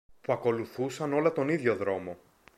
που ακολουθούσαν όλα τον ίδιο δρόμο